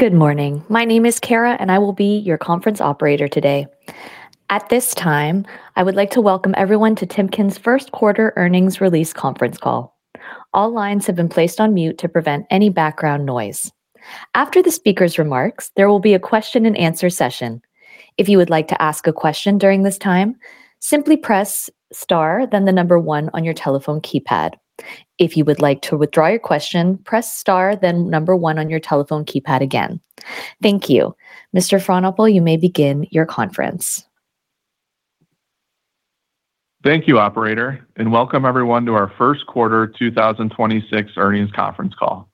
Good morning. My name is Kara, and I will be your conference operator today. At this time, I would like to welcome everyone to Timken's first quarter earnings release conference call. All lines have been placed on mute to prevent any background noise. After the speaker's remarks, there will be a question-and-answer session. If you would like to ask a question during this time, simply press star then the number 1 on your telephone keypad. If you would like to withdraw your question, press star then number 1 on your telephone keypad again. Thank you. Mr. Frohnapple, you may begin your conference. Thank you, operator. Welcome everyone to our first quarter 2026 earnings conference call.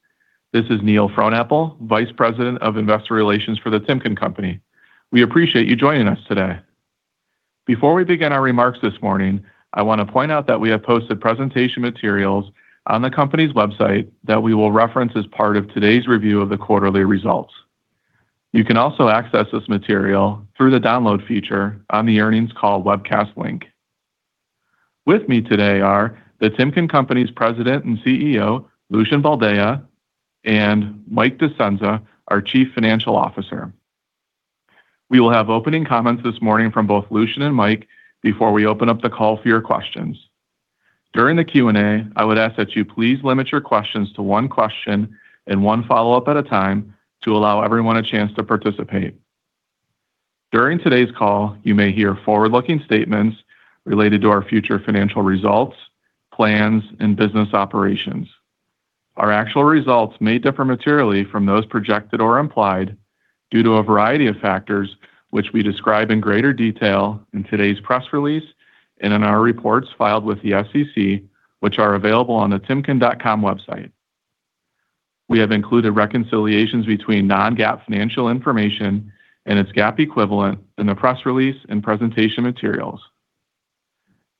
This is Neil Frohnapple, Vice President of Investor Relations for The Timken Company. We appreciate you joining us today. Before we begin our remarks this morning, I want to point out that we have posted presentation materials on the company's website that we will reference as part of today's review of the quarterly results. You can also access this material through the Download feature on the earnings call webcast link. With me today are The Timken Company's President and CEO, Lucian Boldea, and Michael A. Discenza, our Chief Financial Officer. We will have opening comments this morning from both Lucian and Mike before we open up the call for your questions. During the Q&A, I would ask that you please limit your questions to one question and one follow-up at a time to allow everyone a chance to participate. During today's call, you may hear forward-looking statements related to our future financial results, plans, and business operations. Our actual results may differ materially from those projected or implied due to a variety of factors, which we describe in greater detail in today's press release and in our reports filed with the SEC, which are available on the timken.com website. We have included reconciliations between non-GAAP financial information and its GAAP equivalent in the press release and presentation materials.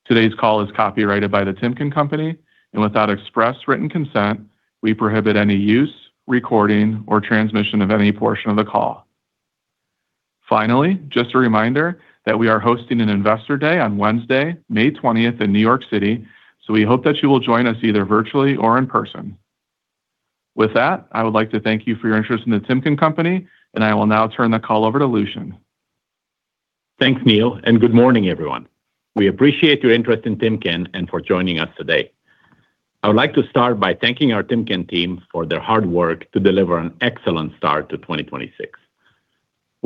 Today's call is copyrighted by The Timken Company, and without express written consent, we prohibit any use, recording, or transmission of any portion of the call. Just a reminder that we are hosting an Investor Day on Wednesday, May 20th, in New York City, so we hope that you will join us either virtually or in person. With that, I would like to thank you for your interest in The Timken Company, and I will now turn the call over to Lucian. Thanks, Neil. Good morning, everyone. We appreciate your interest in Timken and for joining us today. I would like to start by thanking our Timken team for their hard work to deliver an excellent start to 2026.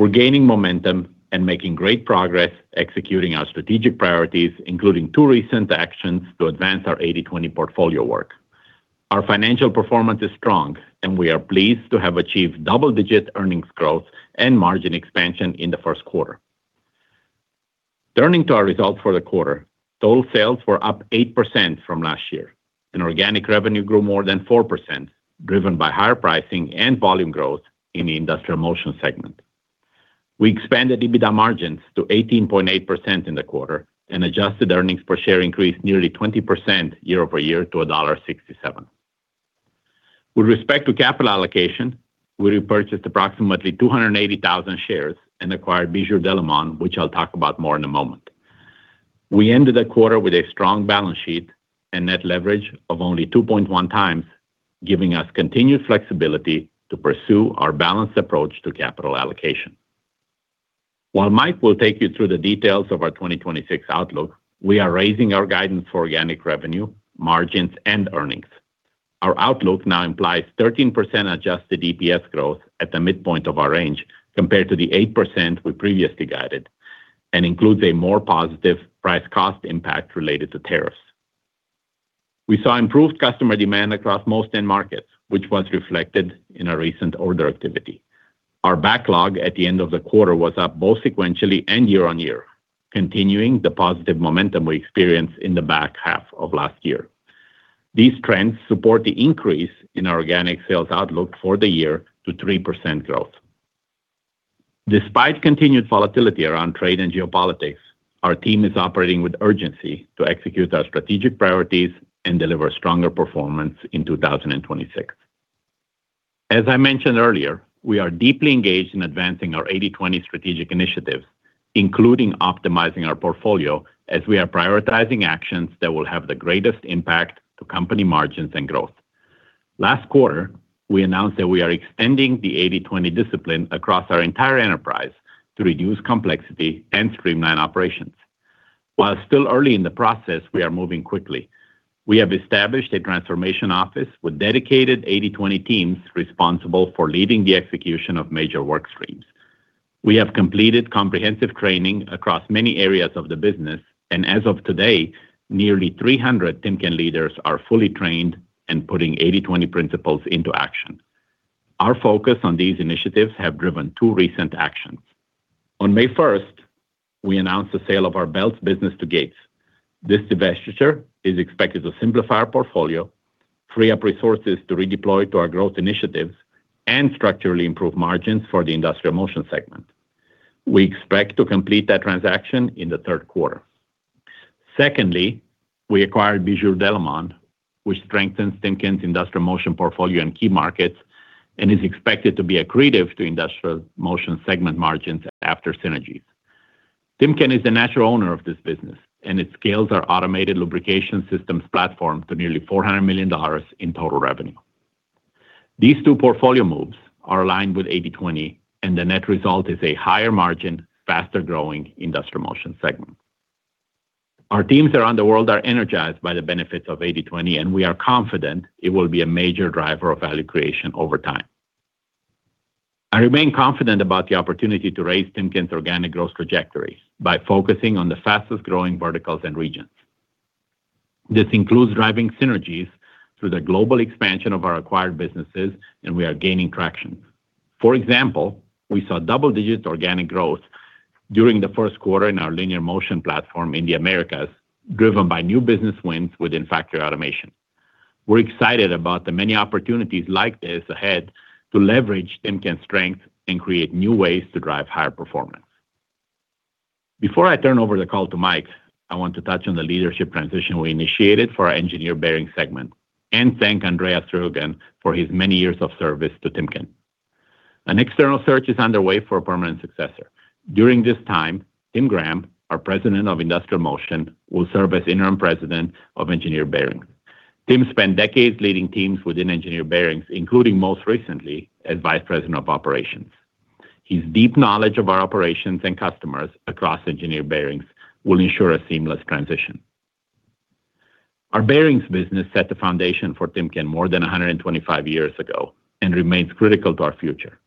We're gaining momentum and making great progress executing our strategic priorities, including two recent actions to advance our 80/20 portfolio work. Our financial performance is strong. We are pleased to have achieved double-digit earnings growth and margin expansion in the first quarter. Turning to our results for the quarter, total sales were up 8% from last year. Organic revenue grew more than 4%, driven by higher pricing and volume growth in the Industrial Motion segment. We expanded EBITDA margins to 18.8% in the quarter. Adjusted earnings per share increased nearly 20% year-over-year to $1.67. With respect to capital allocation, we repurchased approximately 280,000 shares and acquired Bijur Delimon, which I'll talk about more in a moment. We ended the quarter with a strong balance sheet and net leverage of only 2.1x, giving us continued flexibility to pursue our balanced approach to capital allocation. While Mike will take you through the details of our 2026 outlook, we are raising our guidance for organic revenue, margins, and earnings. Our outlook now implies 13% adjusted EPS growth at the midpoint of our range compared to the 8% we previously guided and includes a more positive price cost impact related to tariffs. We saw improved customer demand across most end markets, which was reflected in our recent order activity. Our backlog at the end of the quarter was up both sequentially and year-over-year, continuing the positive momentum we experienced in the back half of last year. These trends support the increase in our organic sales outlook for the year to 3% growth. Despite continued volatility around trade and geopolitics, our team is operating with urgency to execute our strategic priorities and deliver stronger performance in 2026. As I mentioned earlier, we are deeply engaged in advancing our 80/20 strategic initiatives, including optimizing our portfolio as we are prioritizing actions that will have the greatest impact to company margins and growth. Last quarter, we announced that we are extending the 80/20 discipline across our entire enterprise to reduce complexity and streamline operations. While still early in the process, we are moving quickly. We have established a transformation office with dedicated 80/20 teams responsible for leading the execution of major work streams. We have completed comprehensive training across many areas of the business, and as of today, nearly 300 Timken leaders are fully trained and putting 80/20 principles into action. Our focus on these initiatives have driven two recent actions. On May 1st, we announced the sale of our Belts business to Gates. This divestiture is expected to simplify our portfolio, free up resources to redeploy to our growth initiatives, and structurally improve margins for the Industrial Motion segment. We expect to complete that transaction in the third quarter. Secondly, we acquired Bijur Delimon, which strengthens Timken's Industrial Motion portfolio in key markets and is expected to be accretive to Industrial Motion segment margins after synergies. Timken is the natural owner of this business, and its scales our automated lubrication systems platform to nearly $400 million in total revenue. These two portfolio moves are aligned with 80/20, and the net result is a higher margin, faster-growing Industrial Motion segment. Our teams around the world are energized by the benefits of 80/20, and we are confident it will be a major driver of value creation over time. I remain confident about the opportunity to raise Timken's organic growth trajectory by focusing on the fastest-growing verticals and regions. This includes driving synergies through the global expansion of our acquired businesses, and we are gaining traction. For example, we saw double-digit organic growth during the first quarter in our linear motion platform in the Americas, driven by new business wins within factory automation. We're excited about the many opportunities like this ahead to leverage Timken's strength and create new ways to drive higher performance. Before I turn over the call to Mike, I want to touch on the leadership transition we initiated for our Engineered Bearings segment, and thank Andreas Roellgen for his many years of service to Timken. An external search is underway for a permanent successor. During this time, Tim Graham, our President of Industrial Motion, will serve as Interim President of Engineered Bearings. Tim spent decades leading teams within Engineered Bearings, including most recently as Vice President of Operations. His deep knowledge of our operations and customers across Engineered Bearings will ensure a seamless transition. Our bearings business set the foundation for Timken more than 125 years ago and remains critical to our future.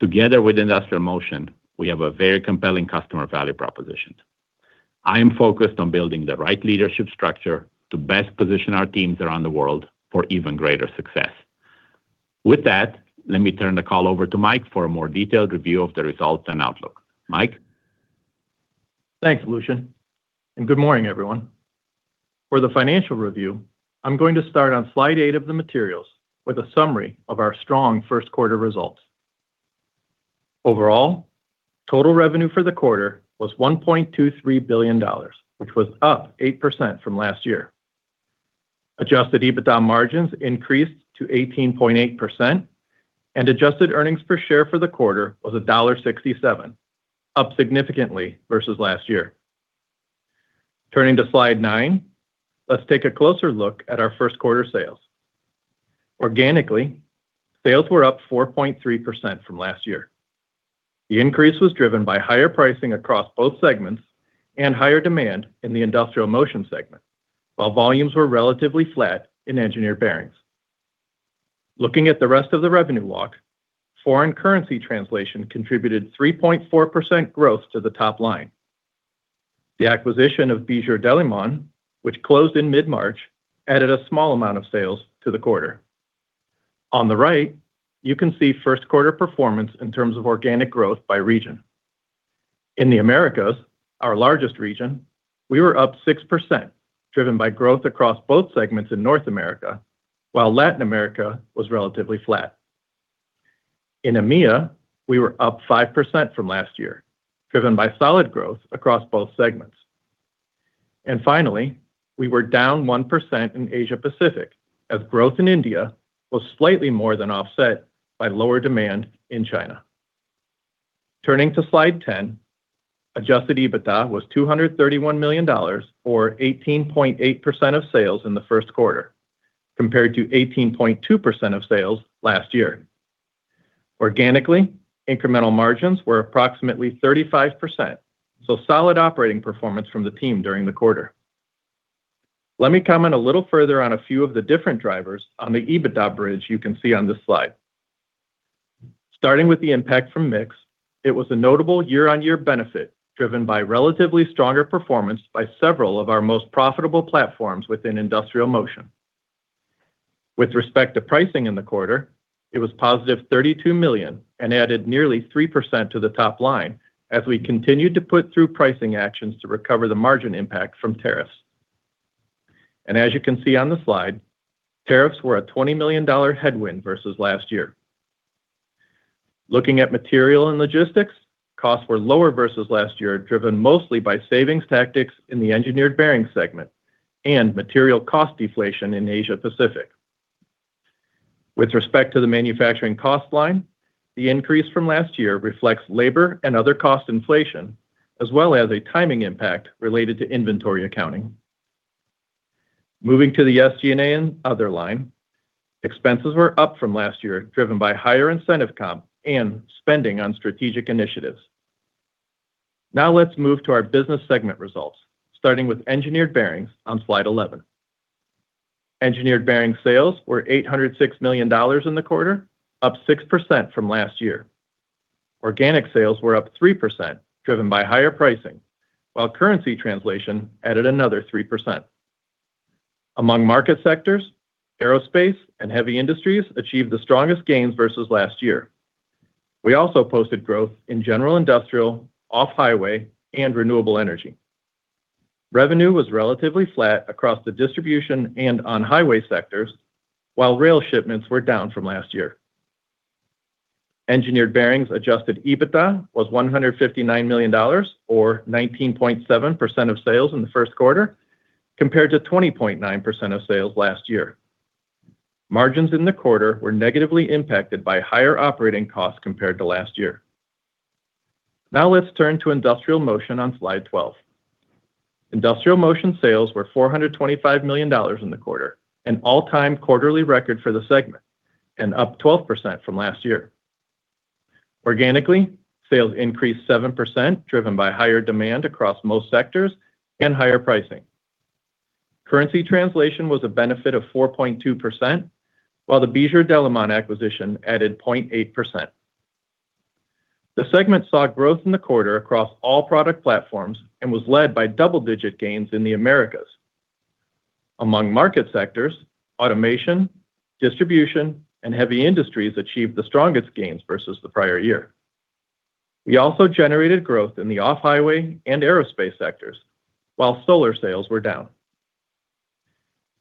Together with Industrial Motion, we have a very compelling customer value proposition. I am focused on building the right leadership structure to best position our teams around the world for even greater success. With that, let me turn the call over to Mike for a more detailed review of the results and outlook. Mike? Thanks, Lucian. Good morning, everyone. For the financial review, I'm going to start on slide eight of the materials with a summary of our strong first quarter results. Overall, total revenue for the quarter was $1.23 billion, which was up 8% from last year. Adjusted EBITDA margins increased to 18.8%. Adjusted earnings per share for the quarter was $1.67, up significantly versus last year. Turning to slide nine, let's take a closer look at our first quarter sales. Organically, sales were up 4.3% from last year. The increase was driven by higher pricing across both segments and higher demand in the Industrial Motion segment, while volumes were relatively flat in Engineered Bearings. Looking at the rest of the revenue walk, foreign currency translation contributed 3.4% growth to the top line. The acquisition of Bijur Delimon, which closed in mid-March, added a small amount of sales to the quarter. On the right, you can see first quarter performance in terms of organic growth by region. In the Americas, our largest region, we were up 6%, driven by growth across both segments in North America, while Latin America was relatively flat. In EMEA, we were up 5% from last year, driven by solid growth across both segments. Finally, we were down 1% in Asia-Pacific, as growth in India was slightly more than offset by lower demand in China. Turning to slide 10, adjusted EBITDA was $231 million, or 18.8% of sales in the first quarter, compared to 18.2% of sales last year. Organically, incremental margins were approximately 35%, so solid operating performance from the team during the quarter. Let me comment a little further on a few of the different drivers on the EBITDA bridge you can see on this slide. Starting with the impact from mix, it was a notable year-on-year benefit, driven by relatively stronger performance by several of our most profitable platforms within Industrial Motion. With respect to pricing in the quarter, it was positive $32 million and added nearly 3% to the top line as we continued to put through pricing actions to recover the margin impact from tariffs. As you can see on the slide, tariffs were a $20 million headwind versus last year. Looking at material and logistics, costs were lower versus last year, driven mostly by savings tactics in the Engineered Bearings segment and material cost deflation in Asia-Pacific. With respect to the manufacturing cost line, the increase from last year reflects labor and other cost inflation, as well as a timing impact related to inventory accounting. Moving to the SG&A and other line, expenses were up from last year, driven by higher incentive comp and spending on strategic initiatives. Let's move to our business segment results, starting with Engineered Bearings on slide 11. Engineered Bearings sales were $806 million in the quarter, up 6% from last year. Organic sales were up 3%, driven by higher pricing, while currency translation added another 3%. Among market sectors, aerospace and heavy industries achieved the strongest gains versus last year. We also posted growth in general industrial, off-highway, and renewable energy. Revenue was relatively flat across the distribution and on highway sectors, while rail shipments were down from last year. Engineered Bearings adjusted EBITDA was $159 million or 19.7% of sales in the first quarter, compared to 20.9% of sales last year. Margins in the quarter were negatively impacted by higher operating costs compared to last year. Let's turn to Industrial Motion on slide 12. Industrial Motion sales were $425 million in the quarter, an all-time quarterly record for the segment and up 12% from last year. Organically, sales increased 7%, driven by higher demand across most sectors and higher pricing. Currency translation was a benefit of 4.2%, while the Bijur Delimon acquisition added 0.8%. The segment saw growth in the quarter across all product platforms and was led by double-digit gains in the Americas. Among market sectors, automation, distribution, and heavy industries achieved the strongest gains versus the prior year. We also generated growth in the off-highway and aerospace sectors, while solar sales were down.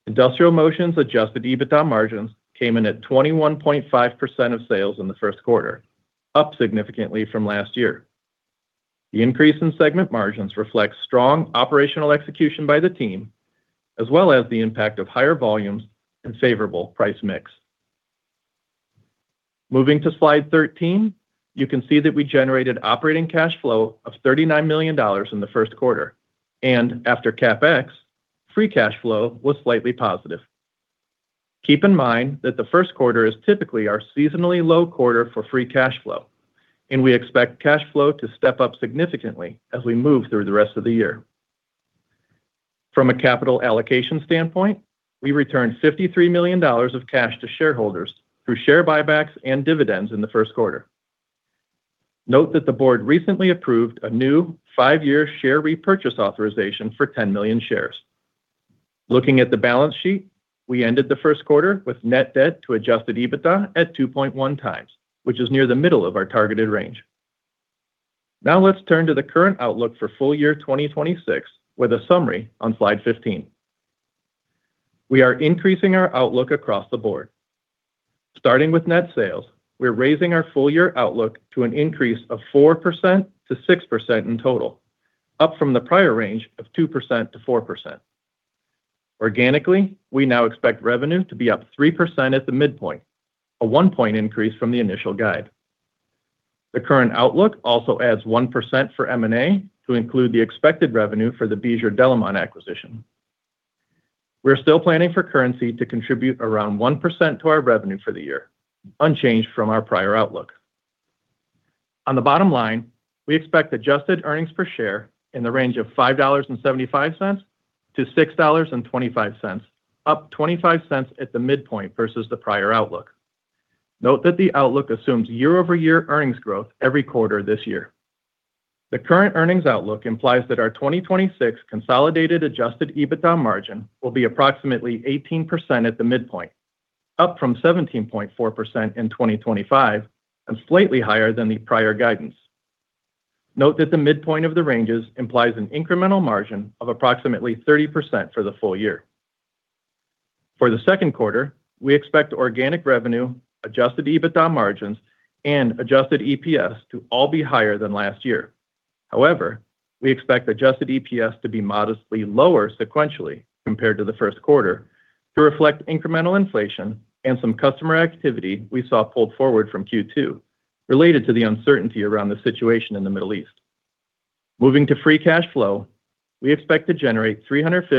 Industrial Motion's adjusted EBITDA margins came in at 21.5% of sales in the first quarter, up significantly from last year. The increase in segment margins reflects strong operational execution by the team, as well as the impact of higher volumes and favorable price mix. Moving to slide 13, you can see that we generated operating cash flow of $39 million in the first quarter, and after CapEx, free cash flow was slightly positive. Keep in mind that the first quarter is typically our seasonally low quarter for free cash flow, and we expect cash flow to step up significantly as we move through the rest of the year. From a capital allocation standpoint, we returned $53 million of cash to shareholders through share buybacks and dividends in the first quarter. Note that the board recently approved a new five-year share repurchase authorization for 10 million shares. Looking at the balance sheet, we ended the first quarter with net debt to adjusted EBITDA at 2.1x, which is near the middle of our targeted range. Let's turn to the current outlook for full year 2026, with a summary on slide 15. We are increasing our outlook across the board. Starting with net sales, we're raising our full year outlook to an increase of 4%-6% in total, up from the prior range of 2%-4%. Organically, we now expect revenue to be up 3% at the midpoint, a 1-point increase from the initial guide. The current outlook also adds 1% for M&A to include the expected revenue for the Bijur Delimon acquisition. We're still planning for currency to contribute around 1% to our revenue for the year, unchanged from our prior outlook. On the bottom line, we expect adjusted earnings per share in the range of $5.75-$6.25, up $0.25 at the midpoint versus the prior outlook. Note that the outlook assumes year-over-year earnings growth every quarter this year. The current earnings outlook implies that our 2026 consolidated adjusted EBITDA margin will be approximately 18% at the midpoint, up from 17.4% in 2025 and slightly higher than the prior guidance. Note that the midpoint of the ranges implies an incremental margin of approximately 30% for the full year. For the second quarter, we expect organic revenue, adjusted EBITDA margins, and adjusted EPS to all be higher than last year. However, we expect adjusted EPS to be modestly lower sequentially compared to the first quarter to reflect incremental inflation and some customer activity we saw pulled forward from Q2 related to the uncertainty around the situation in the Middle East. Moving to free cash flow, we expect to generate $350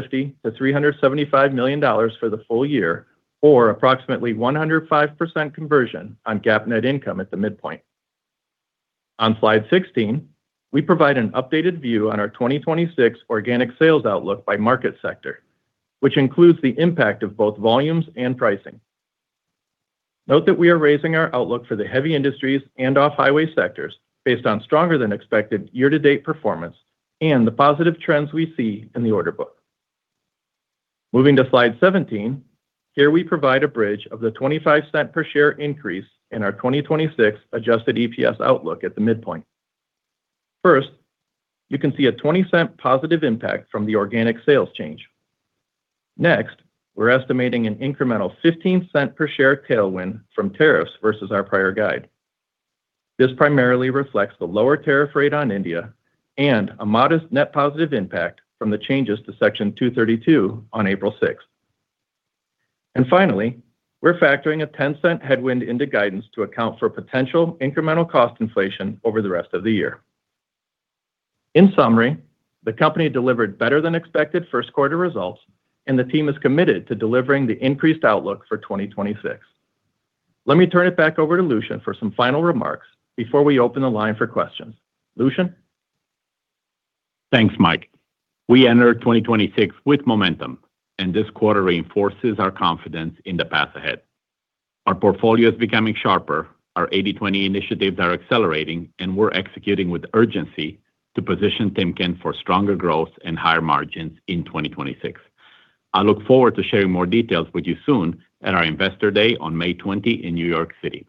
million-$375 million for the full year, or approximately 105% conversion on GAAP net income at the midpoint. On slide 16, we provide an updated view on our 2026 organic sales outlook by market sector, which includes the impact of both volumes and pricing. Note that we are raising our outlook for the heavy industries and off-highway sectors based on stronger than expected year-to-date performance and the positive trends we see in the order book. Moving to slide 17. Here we provide a bridge of the $0.25 per share increase in our 2026 adjusted EPS outlook at the midpoint. First, you can see a $0.20 positive impact from the organic sales change. Next, we're estimating an incremental $0.15 per share tailwind from tariffs versus our prior guide. This primarily reflects the lower tariff rate on India and a modest net positive impact from the changes to Section 232 on April 6. Finally, we're factoring a $0.10 headwind into guidance to account for potential incremental cost inflation over the rest of the year. In summary, the company delivered better than expected first quarter results, and the team is committed to delivering the increased outlook for 2026. Let me turn it back over to Lucian for some final remarks before we open the line for questions. Lucian? Thanks, Mike. We enter 2026 with momentum, and this quarter reinforces our confidence in the path ahead. Our portfolio is becoming sharper, our 80/20 initiatives are accelerating, and we're executing with urgency to position Timken for stronger growth and higher margins in 2026. I look forward to sharing more details with you soon at our Investor Day on May 20 in New York City.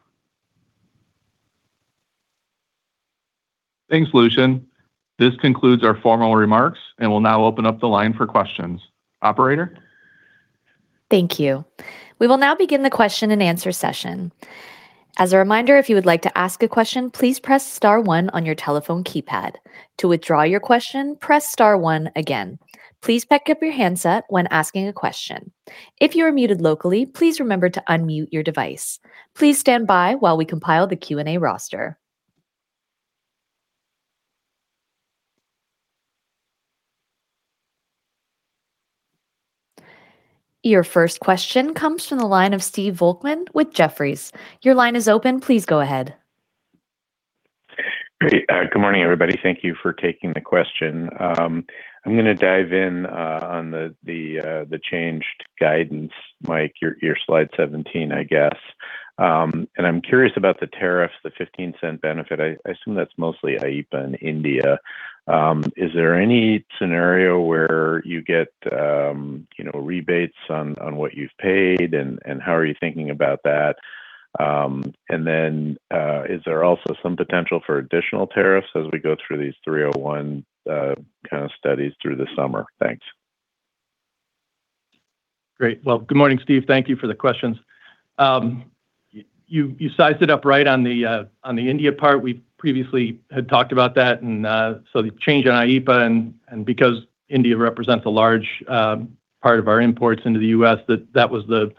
Thanks, Lucian. This concludes our formal remarks. We'll now open up the line for questions. Operator? Thank you. We will now begin the question and answer session. As a reminder, if you would like to ask a question, please press star 1 on your telephone keypad. To withdraw your question, press star 1 again. Please pick up your handset when asking a question. If you are muted locally, please remember to unmute your device. Please stand by while we compile the Q&A roster. Your first question comes from the line of Stephen Volkmann with Jefferies. Your line is open. Please go ahead. Great. Good morning, everybody. Thank you for taking the question. I'm gonna dive in on the changed guidance, Mike, your slide 17, I guess. I'm curious about the tariffs, the $0.15 benefit. I assume that's mostly IPEF and India. Is there any scenario where you get, you know, rebates on what you've paid, and how are you thinking about that? Is there also some potential for additional tariffs as we go through these Section 301 kind of studies through the summer? Thanks. Great. Well, good morning, Steve. Thank you for the questions. You sized it up right on the India part. We previously had talked about that and so the change on IPEF and because India represents a large part of our imports into the U.S., that was the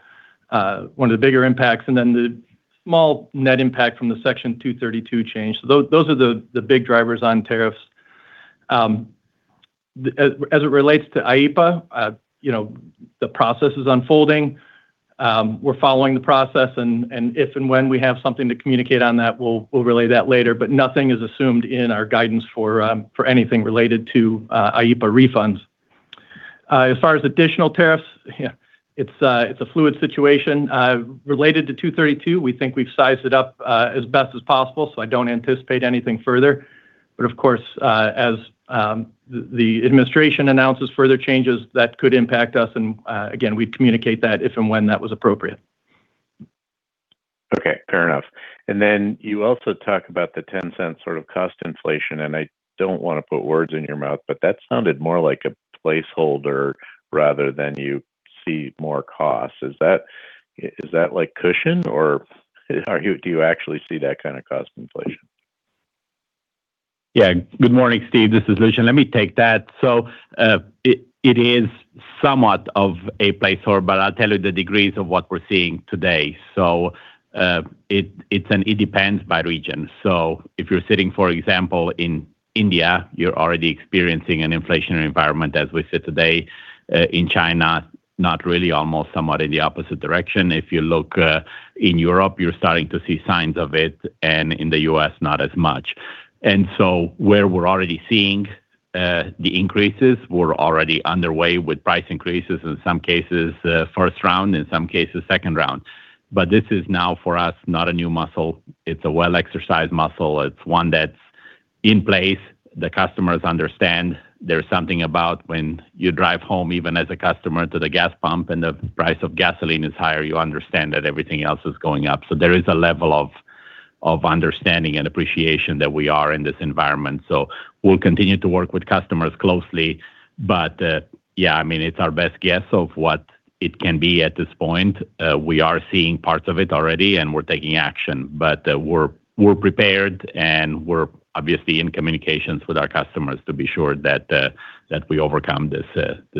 one of the bigger impacts. The small net impact from the Section 232 change. Those are the big drivers on tariffs. As it relates to IPEF, you know, the process is unfolding. We're following the process and if and when we have something to communicate on that, we'll relay that later. Nothing is assumed in our guidance for anything related to IPEF refunds. As far as additional tariffs, it's a fluid situation. Related to Section 232, we think we've sized it up as best as possible, so I don't anticipate anything further. Of course, as the administration announces further changes, that could impact us and again, we'd communicate that if and when that was appropriate. Okay. Fair enough. You also talk about the $0.10 sort of cost inflation, I don't wanna put words in your mouth, that sounded more like a placeholder rather than you see more cost. Is that like cushion or do you actually see that kind of cost inflation? Good morning, Steve. This is Lucian. Let me take that. It is somewhat of a placeholder, but I'll tell you the degrees of what we're seeing today. It's an it depends by region. If you're sitting, for example, in India, you're already experiencing an inflationary environment as we sit today. In China, not really, almost somewhat in the opposite direction. If you look in Europe, you're starting to see signs of it. In the U.S., not as much. Where we're already seeing the increases, we're already underway with price increases, in some cases, first round, in some cases, second round. This is now for us, not a new muscle, it's a well-exercised muscle. It's one that's in place. The customers understand. There's something about when you drive home, even as a customer to the gas pump and the price of gasoline is higher, you understand that everything else is going up. There is a level of understanding and appreciation that we are in this environment. We'll continue to work with customers closely. Yeah, I mean, it's our best guess of what it can be at this point. We are seeing parts of it already, and we're taking action. We're prepared, and we're obviously in communications with our customers to be sure that we overcome this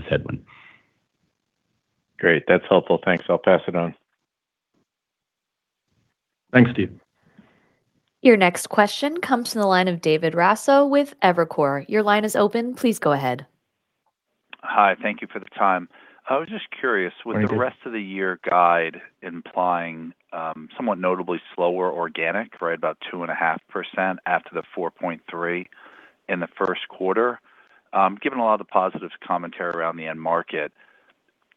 headwind. Great. That's helpful. Thanks. I'll pass it on. Thanks, Steve. Your next question comes from the line of David Raso with Evercore. Your line is open. Please go ahead. Hi. Thank you for the time. Thank you. I was just curious, with the rest of the year guide implying, somewhat notably slower organic, right? About 2.5% after the 4.3% in the 1Q. Given a lot of the positive commentary around the end market,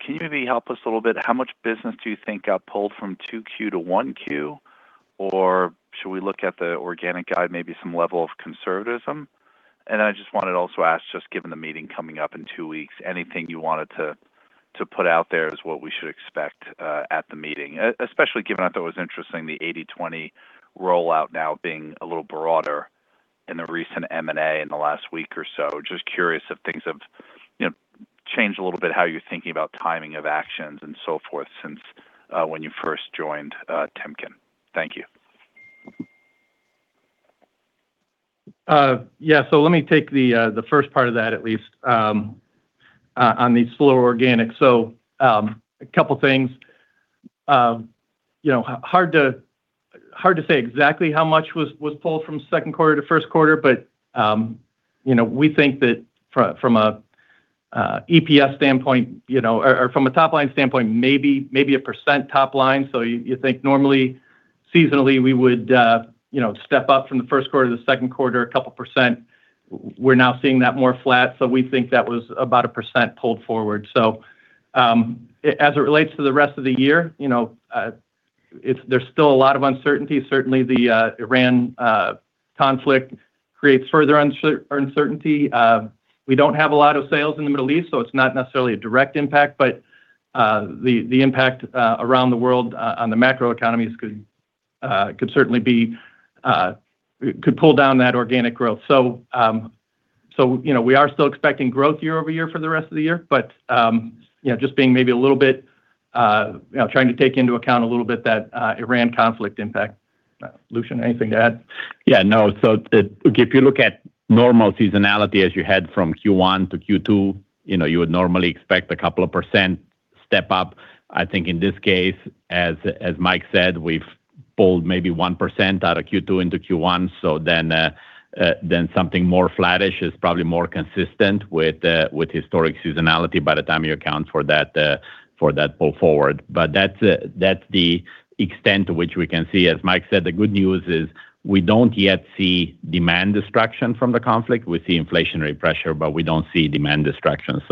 can you maybe help us a little bit, how much business do you think got pulled from 2Q to 1Q, or should we look at the organic guide, maybe some level of conservatism? I just wanted to also ask, just given the meeting coming up in two weeks, anything you wanted to put out there as what we should expect at the meeting? Especially given I thought it was interesting the 80/20 rollout now being a little broader in the recent M&A in the last week or so. Just curious if things have, you know, changed a little bit how you're thinking about timing of actions and so forth since when you first joined Timken. Thank you. Let me take the first part of that at least on the slower organic. A couple things. You know, hard to say exactly how much was pulled from second quarter to first quarter, you know, we think that from an EPS standpoint, you know, or from a top-line standpoint, maybe 1% top line. You know, you think normally, seasonally we would, you know, step up from the first quarter to the second quarter a couple percent. We're now seeing that more flat. We think that was about 1% pulled forward. As it relates to the rest of the year, you know, there's still a lot of uncertainty. Certainly, the Iran conflict creates further uncertainty. We don't have a lot of sales in the Middle East, so it's not necessarily a direct impact. The impact around the world on the macro economies could certainly be, could pull down that organic growth. You know, we are still expecting growth year-over-year for the rest of the year. You know, just being maybe a little bit, you know, trying to take into account a little bit that Iran conflict impact. Lucian, anything to add? Yeah, no. If you look at normal seasonality as you head from Q1 to Q2, you know, you would normally expect a couple of % step up. I think in this case, as Mike said, we've pulled maybe 1% out of Q2 into Q1, something more flattish is probably more consistent with historic seasonality by the time you account for that for that pull forward. That's that's the extent to which we can see. As Mike said, the good news is we don't yet see demand destruction from the conflict. We see inflationary pressure, but we don't see demand destruction.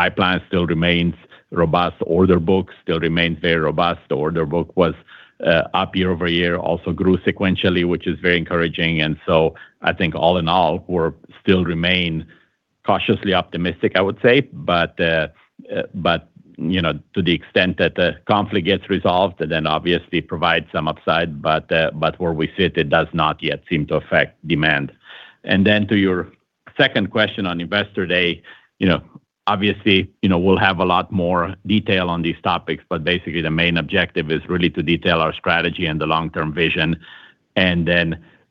Pipeline still remains robust. Order book still remains very robust. The order book was up year-over-year, also grew sequentially, which is very encouraging. I think all in all we're still remain cautiously optimistic, I would say. You know, to the extent that the conflict gets resolved, then obviously it provides some upside, but where we sit, it does not yet seem to affect demand. To your second question on Investor Day, you know, obviously, you know, we'll have a lot more detail on these topics, but basically the main objective is really to detail our strategy and the long-term vision.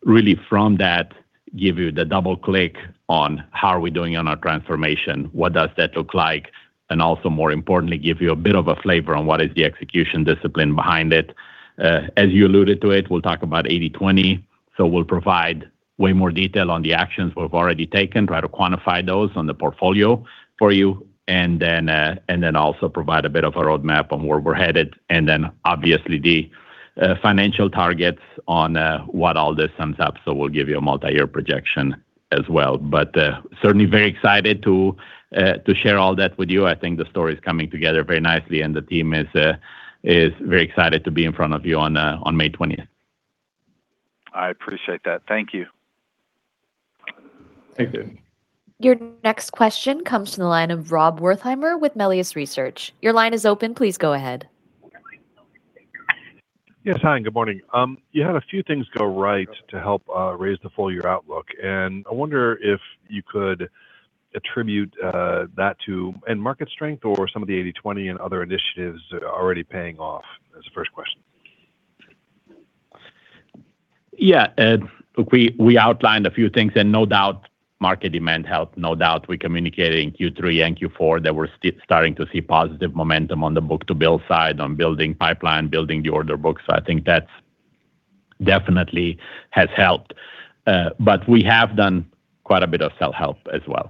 Really from that, give you the double click on how are we doing on our transformation, what does that look like? Also, more importantly, give you a bit of a flavor on what is the execution discipline behind it. As you alluded to it, we'll talk about 80/20, so we'll provide way more detail on the actions we've already taken, try to quantify those on the portfolio for you, and then also provide a bit of a roadmap on where we're headed. Obviously the financial targets on what all this sums up. We'll give you a multi-year projection as well. Certainly very excited to share all that with you. I think the story is coming together very nicely, and the team is very excited to be in front of you on May 20th. I appreciate that. Thank you. Thank you. Your next question comes from the line of Rob Wertheimer with Melius Research. Yes. Hi, and good morning. You had a few things go right to help raise the full year outlook. I wonder if you could attribute that to end market strength or some of the 80/20 and other initiatives already paying off? That's the first question. Yeah. Look, we outlined a few things. No doubt market demand helped. No doubt we communicated in Q3 and Q4 that we're still starting to see positive momentum on the book to build side, on building pipeline, building the order book. I think that's definitely has helped. We have done quite a bit of self-help as well.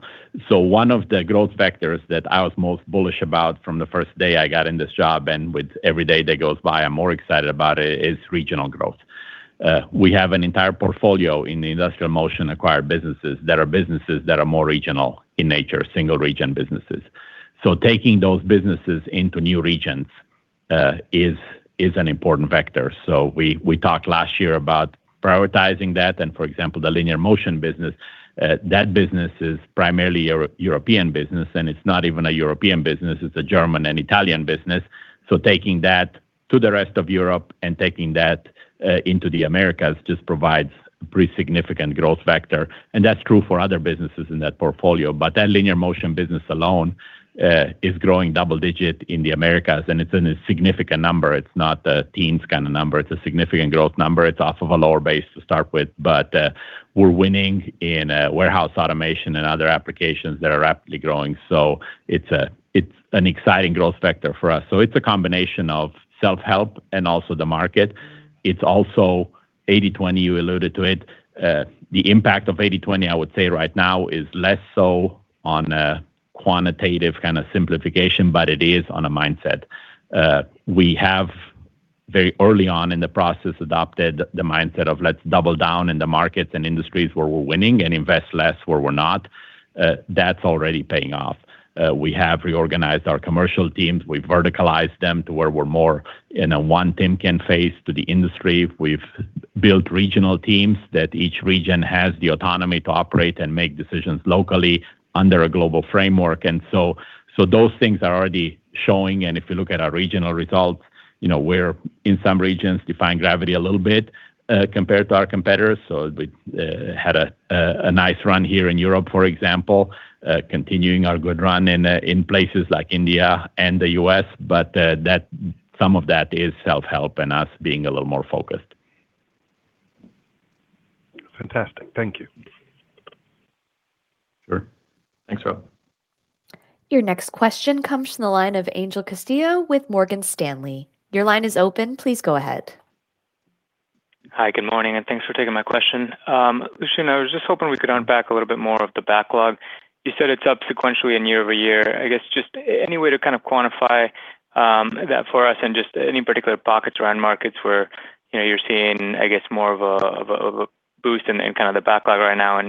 One of the growth vectors that I was most bullish about from the first day I got in this job, and with every day that goes by I'm more excited about it, is regional growth. We have an entire portfolio in the Industrial Motion acquired businesses that are businesses that are more regional in nature, single region businesses. Taking those businesses into new regions, is an important factor. We talked last year about prioritizing that and, for example, the Linear Motion business, that business is primarily a European business, and it's not even a European business, it's a German and Italian business. Taking that to the rest of Europe and taking that into the Americas just provides pretty significant growth factor, and that's true for other businesses in that portfolio. That Linear Motion business alone is growing double-digit in the Americas, and it's in a significant number. It's not a teens kind of number. It's a significant growth number. It's off of a lower base to start with, but we're winning in warehouse automation and other applications that are rapidly growing. It's an exciting growth factor for us. It's a combination of self-help and also the market. It's also 80/20, you alluded to it. The impact of 80/20, I would say right now is less so on a quantitative kind of simplification, but it is on a mindset. We have very early on in the process adopted the mindset of let's double down in the markets and industries where we're winning and invest less where we're not. That's already paying off. We have reorganized our commercial teams. We've verticalized them to where we're more in a one Timken face to the industry. We've built regional teams that each region has the autonomy to operate and make decisions locally under a global framework. Those things are already showing, and if you look at our regional results, we're in some regions defying gravity a little bit compared to our competitors. We had a nice run here in Europe, for example, continuing our good run in places like India and the U.S. Some of that is self-help and us being a little more focused. Fantastic. Thank you. Sure. Thanks, Rob. Your next question comes from the line of Angel Castillo with Morgan Stanley. Your line is open. Please go ahead. Hi, good morning, and thanks for taking my question. Lucian, I was just hoping we could unpack a little bit more of the backlog. You said it's up sequentially in year-over-year. I guess just any way to kind of quantify that for us and just any particular pockets around markets where you're seeing, I guess, more of a boost in kind of the backlog right now.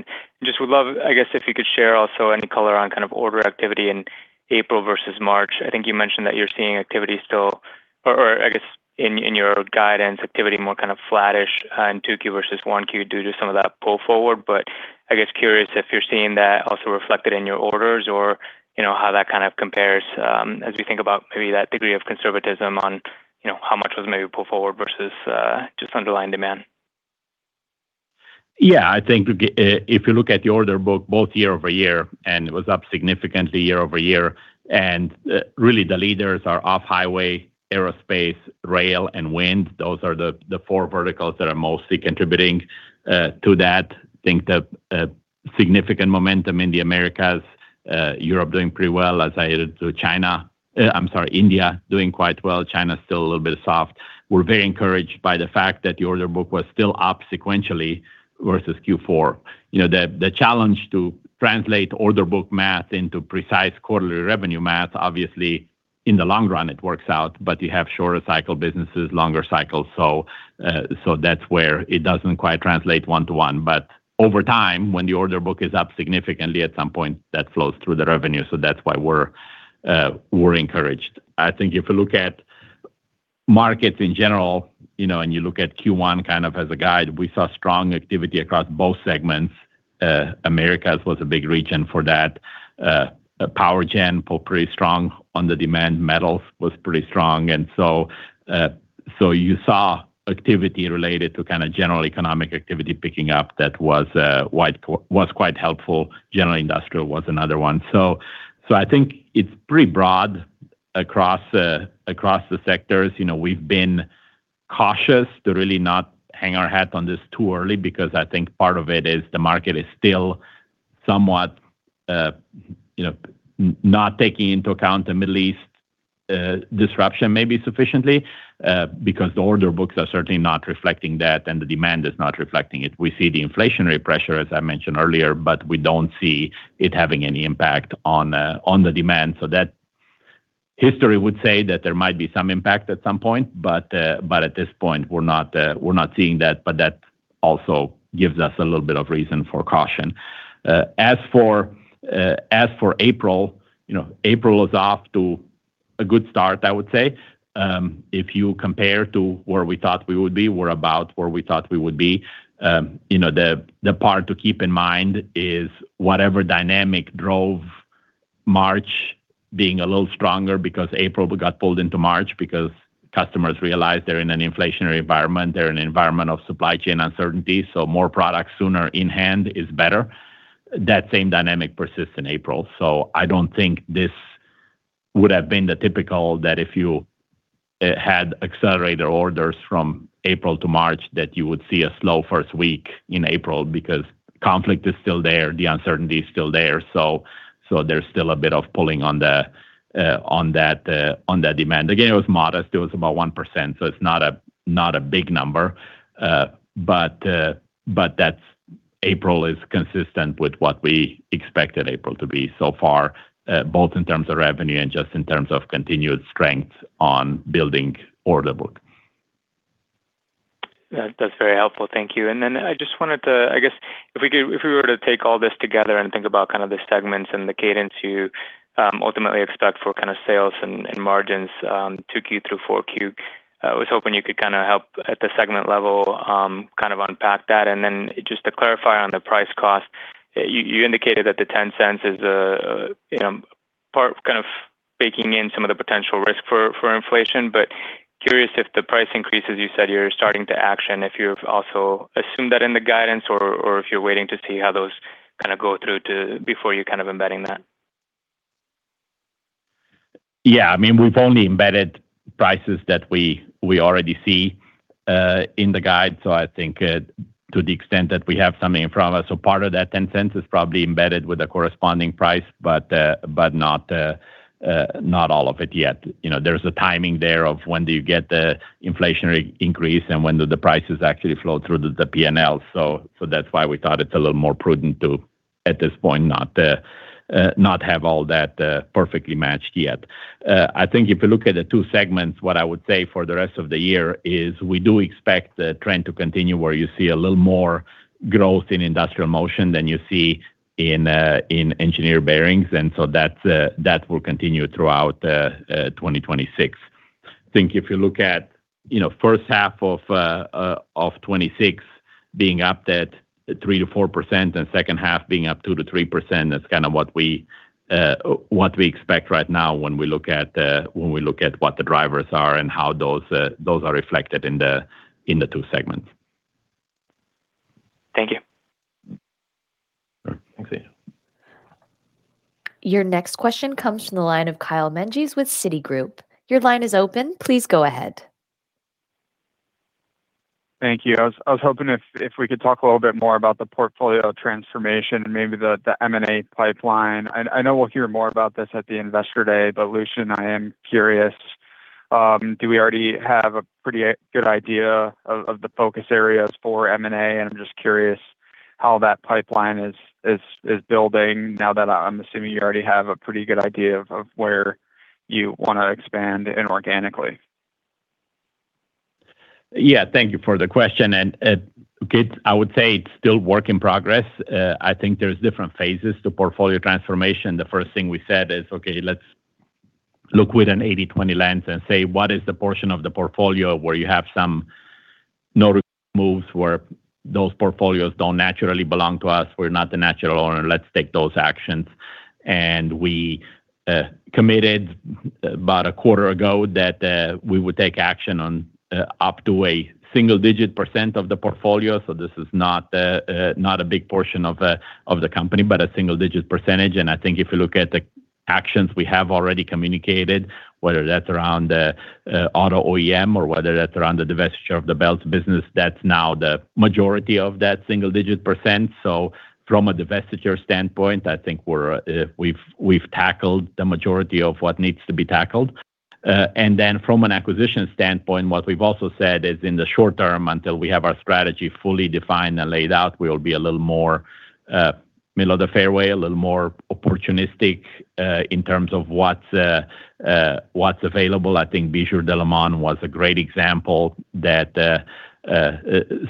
Just would love, I guess, if you could share also any color on kind of order activity in April versus March. I think you mentioned that you're seeing activity or I guess in your guidance activity more kind of flattish in Q2 versus Q1 due to some of that pull forward. I guess curious if you're seeing that also reflected in your orders or, you know, how that kind of compares, as we think about maybe that degree of conservatism on, you know, how much was maybe pull forward versus just underlying demand? Yeah. I think we get, if you look at the order book both year-over-year, and it was up significantly year-over-year, really the leaders are off-highway, aerospace, rail, and wind. Those are the four verticals that are mostly contributing to that. I think the significant momentum in the Americas, Europe doing pretty well as I get to China. I'm sorry, India doing quite well. China's still a little bit soft. We're very encouraged by the fact that the order book was still up sequentially versus Q4. You know, the challenge to translate order book math into precise quarterly revenue math, obviously in the long run it works out, but you have shorter cycle businesses, longer cycles, so that's where it doesn't quite translate 1:1. Over time, when the order book is up significantly at some point, that flows through the revenue. That's why we're encouraged. I think if you look at markets in general, you know, and you look at Q1 kind of as a guide, we saw strong activity across both segments. Americas was a big region for that. Power generation pulled pretty strong on the demand. Metals was pretty strong. You saw activity related to kind of general economic activity picking up that was quite helpful. General industrial was another one. I think it's pretty broad across the sectors. You know, we've been cautious to really not hang our hat on this too early because I think part of it is the market is still somewhat, you know, not taking into account the Middle East disruption maybe sufficiently, because the order books are certainly not reflecting that, and the demand is not reflecting it. We see the inflationary pressure, as I mentioned earlier, but we don't see it having any impact on the demand. That history would say that there might be some impact at some point, but at this point we're not, we're not seeing that, but that also gives us a little bit of reason for caution. As for, as for April, you know, April was off to a good start, I would say. If you compare to where we thought we would be, we're about where we thought we would be. You know, the part to keep in mind is whatever dynamic drove March being a little stronger because April got pulled into March because customers realized they're in an inflationary environment. They're in an environment of supply chain uncertainty, more product sooner in hand is better. That same dynamic persists in April. I don't think this would have been the typical that if you had accelerated orders from April to March, that you would see a slow first week in April because conflict is still there. The uncertainty is still there. There's still a bit of pulling on the on that on that demand. Again, it was modest. It was about 1%, it's not a, not a big number. That's April is consistent with what we expected April to be so far, both in terms of revenue and just in terms of continued strength on building order book. That's very helpful. Thank you. I just wanted to I guess if we could, if we were to take all this together and think about kind of the segments and the cadence you ultimately expect for kind of sales and margins, 2Q through 4Q, I was hoping you could kind of help at the segment level unpack that. Just to clarify on the price cost, you indicated that the $0.10 is, you know, part kind of baking in some of the potential risk for inflation, but curious if the price increases you said you're starting to action, if you've also assumed that in the guidance or if you're waiting to see how those kind of go through to before you're kind of embedding that. Yeah. I mean, we've only embedded prices that we already see in the guide. I think to the extent that we have something in front of us, part of that $0.10 is probably embedded with a corresponding price, but not all of it yet. You know, there's a timing there of when do you get the inflationary increase and when do the prices actually flow through the PNL. That's why we thought it's a little more prudent to, at this point, not have all that perfectly matched yet. I think if you look at the two segments, what I would say for the rest of the year is we do expect the trend to continue where you see a little more growth in Industrial Motion than you see in Engineered Bearings. That's that will continue throughout 2026. I think if you look at, you know, first half of 2026 being up that 3%-4% and second half being up 2%-3%, that's kind of what we expect right now when we look at what the drivers are and how those are reflected in the two segments. Thank you. Thanks. Your next question comes from the line of Kyle Menges with Citigroup. Your line is open. Please go ahead. Thank you. I was hoping if we could talk a little bit more about the portfolio transformation and maybe the M&A pipeline. I know we'll hear more about this at the Investor Day, but Lucian, I am curious, do we already have a pretty good idea of the focus areas for M&A? I'm just curious how that pipeline is building now that I'm assuming you already have a pretty good idea of where you wanna expand inorganically. Thank you for the question. I would say it's still work in progress. I think there's different phases to portfolio transformation. The first thing we said is, okay, let's look with an 80/20 lens and say, what is the portion of the portfolio where you have some no moves where those portfolios don't naturally belong to us, we're not the natural owner, let's take those actions. We committed about a quarter ago that we would take action on up to a single-digit percent of the portfolio. This is not a big portion of the company, but a single-digit percentage. I think if you look at the actions we have already communicated, whether that's around auto OEM or whether that's around the divestiture of the Belts business, that's now the majority of that single-digit %. From a divestiture standpoint, I think we've tackled the majority of what needs to be tackled. From an acquisition standpoint, what we've also said is in the short term, until we have our strategy fully defined and laid out, we'll be a little more middle of the fairway, a little more opportunistic, in terms of what's available. I think Bijur Delimon was a great example that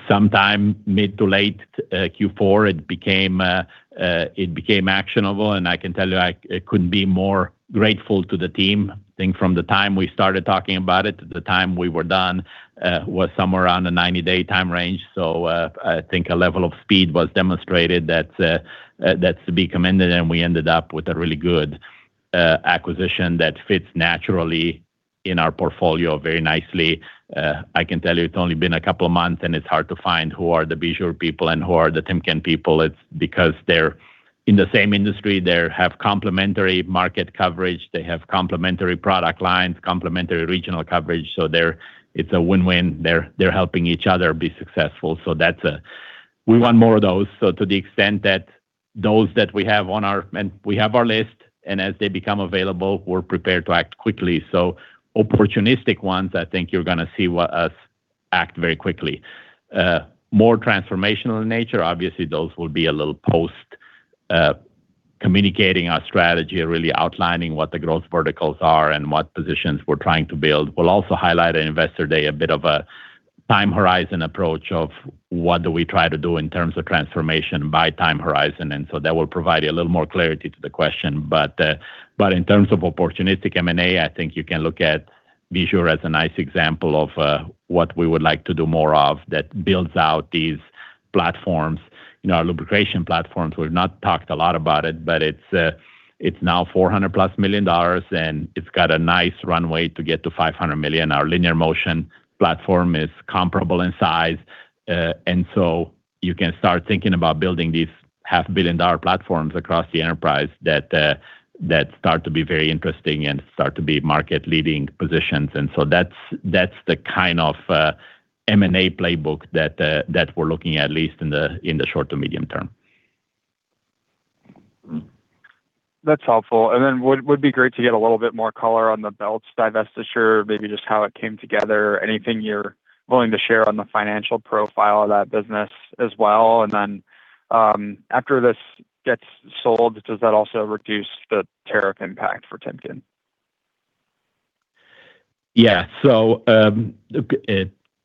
sometime mid to late Q4 it became actionable. I can tell you, I couldn't be more grateful to the team. I think from the time we started talking about it to the time we were done, was somewhere around a 90-day time range. I think a level of speed was demonstrated that's to be commended. We ended up with a really good, acquisition that fits naturally in our portfolio very nicely. I can tell you it's only been a couple months, and it's hard to find who are the Bijur people and who are the Timken people. It's because they're in the same industry. They have complementary market coverage. They have complementary product lines, complementary regional coverage. They're It's a win-win. They're helping each other be successful. That's a We want more of those. To the extent that those that we have on our list, and as they become available, we're prepared to act quickly. Opportunistic ones, I think you're gonna see us act very quickly. More transformational in nature, obviously, those will be a little post communicating our strategy and really outlining what the growth verticals are and what positions we're trying to build. We'll also highlight at Investor Day a bit of a time horizon approach of what do we try to do in terms of transformation by time horizon. That will provide a little more clarity to the question. In terms of opportunistic M&A, I think you can look at Bijur as a nice example of what we would like to do more of that builds out these platforms. You know, our lubrication platforms, we've not talked a lot about it, but it's now $400+ million, and it's got a nice runway to get to $500 million. Our linear motion platform is comparable in size. You can start thinking about building these half billion dollar platforms across the enterprise that start to be very interesting and start to be market leading positions. That's the kind of M&A playbook that we're looking at least in the short to medium term. That's helpful. That would be great to get a little bit more color on the Belts divestiture, maybe just how it came together. Anything you're willing to share on the financial profile of that business as well. After this gets sold, does that also reduce the tariff impact for Timken? Yeah.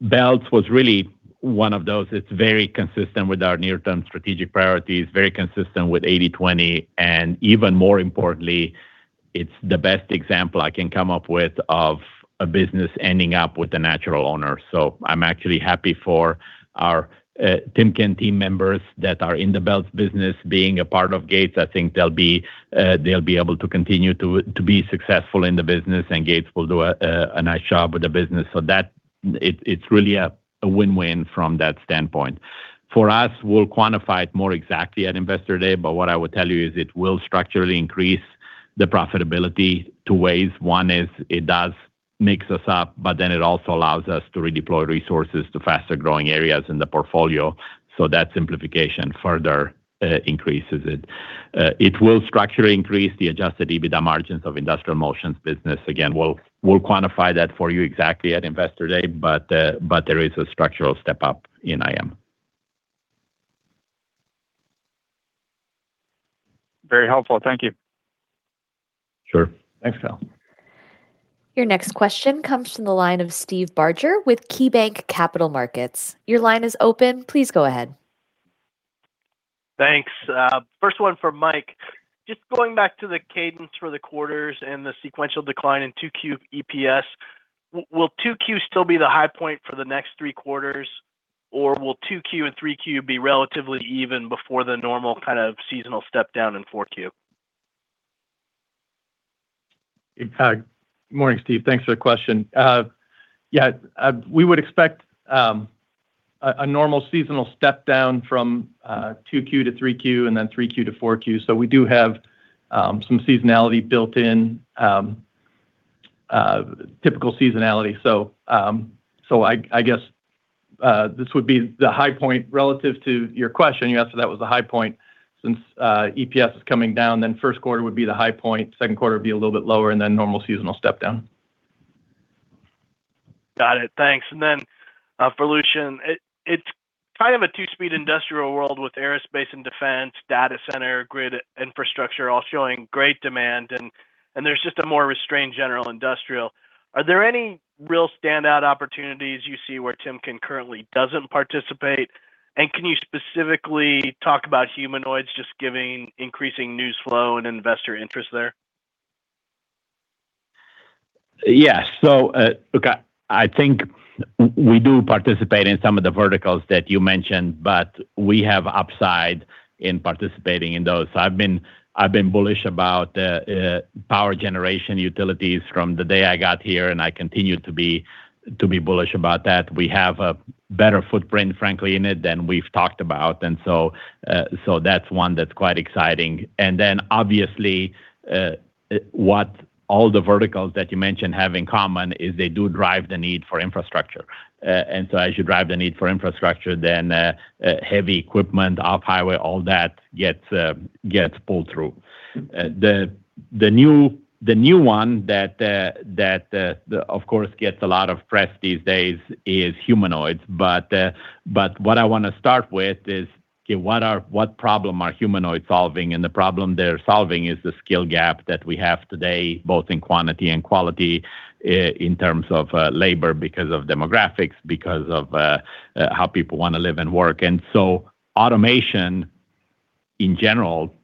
Belts was really one of those. It's very consistent with our near-term strategic priorities, very consistent with 80/20, and even more importantly, it's the best example I can come up with of a business ending up with a natural owner. I'm actually happy for our Timken team members that are in the Belts business being a part of Gates. I think they'll be able to continue to be successful in the business, and Gates will do a nice job with the business. That it's really a win-win from that standpoint. For us, we'll quantify it more exactly at Investor Day, but what I would tell you is it will structurally increase the profitability two ways. One is it does mix us up, but then it also allows us to redeploy resources to faster-growing areas in the portfolio. That simplification further increases it. It will structurally increase the adjusted EBITDA margins of Industrial Motion business. Again, we'll quantify that for you exactly at Investor Day, but there is a structural step up in IM. Very helpful. Thank you. Sure. Thanks, Kyle. Your next question comes from the line of Steve Barger with KeyBanc Capital Markets. Your line is open. Please go ahead. Thanks. First one for Mike. Just going back to the cadence for the quarters and the sequential decline in 2Q EPS, will 2Q still be the high point for the next three quarters, or will 2Q and 3Q be relatively even before the normal kind of seasonal step down in 4Q? Morning, Steve. Thanks for the question. Yeah, we would expect a normal seasonal step down from 2Q to 3Q and then 3Q to 4Q. We do have some seasonality built in, typical seasonality. I guess this would be the high point relative to your question. You asked if that was the high point since EPS is coming down, then first quarter would be the high point, second quarter would be a little bit lower, and then normal seasonal step down. Got it. Thanks. For Lucian, it's kind of a two-speed industrial world with aerospace and defense, data center, grid infrastructure all showing great demand, and there's just a more restrained general industrial. Are there any real standout opportunities you see where Timken currently doesn't participate? Can you specifically talk about humanoids just giving increasing news flow and investor interest there? Look, I think we do participate in some of the verticals that you mentioned, but we have upside in participating in those. I've been bullish about power generation utilities from the day I got here, and I continue to be bullish about that. We have a better footprint, frankly, in it than we've talked about, so that's one that's quite exciting. Obviously, what all the verticals that you mentioned have in common is they do drive the need for infrastructure. As you drive the need for infrastructure, heavy equipment, off-highway, all that gets pulled through. The new one that, of course gets a lot of press these days is humanoids. What I want to start with is, what problem are humanoids solving? The problem they're solving is the skill gap that we have today, both in quantity and quality, in terms of labor because of demographics, because of how people want to live and work. Automation in general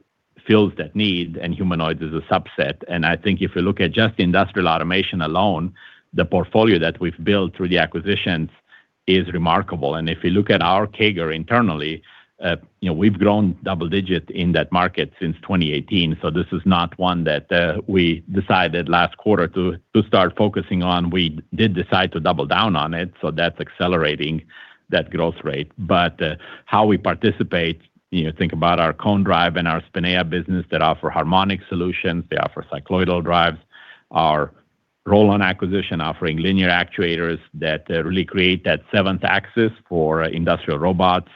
fills that need, and humanoids is a subset. I think if you look at just industrial automation alone, the portfolio that we've built through the acquisitions is remarkable. If you look at our CAGR internally, you know, we've grown double-digit in that market since 2018, this is not one that we decided last quarter to start focusing on. We did decide to double down on it, that's accelerating that growth rate. How we participate, you know, think about our Cone Drive and our Spinea business that offer harmonic solutions. They offer cycloidal drives. Our Rollon acquisition offering linear actuators that really create that seventh axis for industrial robots,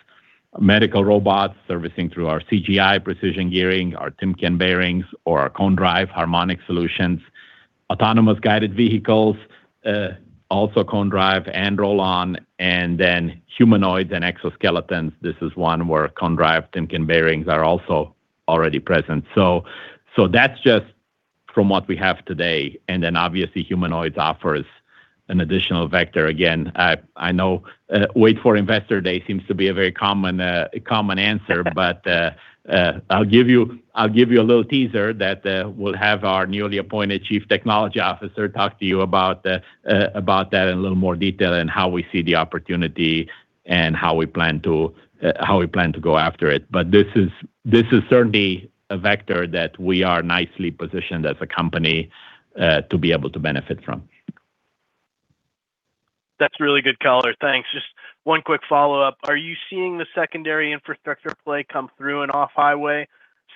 medical robots servicing through our CGI precision gearing, our Timken bearings or our Cone Drive harmonic solutions. Autonomous guided vehicles, also Cone Drive and Rollon, and then humanoids and exoskeletons. This is one where Cone Drive Timken bearings are also already present. That's just from what we have today, and then obviously humanoids offers an additional vector. Again, I know, wait for Investor Day seems to be a very common answer. I'll give you a little teaser that we'll have our newly appointed chief technology officer talk to you about about that in a little more detail and how we see the opportunity and how we plan to how we plan to go after it. This is certainly a vector that we are nicely positioned as a company to be able to benefit from. That's really good color. Thanks. Just one quick follow-up. Are you seeing the secondary infrastructure play come through in off-highway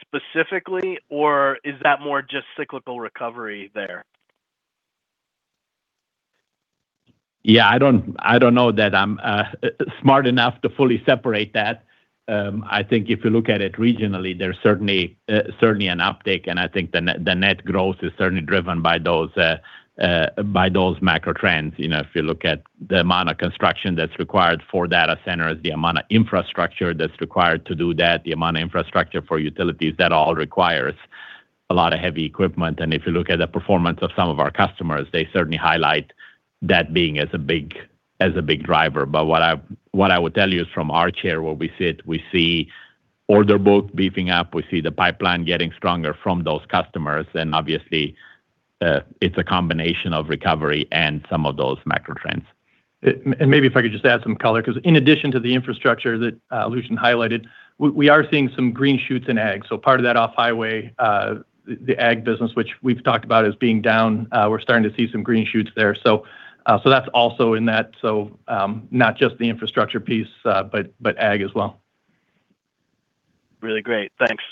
specifically, or is that more just cyclical recovery there? Yeah, I don't know that I'm smart enough to fully separate that. I think if you look at it regionally, there's certainly an uptick, and I think the net growth is certainly driven by those macro trends. You know, if you look at the amount of construction that's required for data centers, the amount of infrastructure that's required to do that, the amount of infrastructure for utilities, that all requires a lot of heavy equipment. If you look at the performance of some of our customers, they certainly highlight that being as a big driver. What I would tell you is from our chair where we sit, we see order book beefing up. We see the pipeline getting stronger from those customers, and obviously, it's a combination of recovery and some of those macro trends. Maybe if I could just add some color 'cause in addition to the infrastructure that Lucian highlighted, we are seeing some green shoots in ag. Part of that off-highway, the ag business, which we've talked about as being down, we're starting to see some green shoots there. That's also in that, not just the infrastructure piece, but ag as well. Really great. Thanks.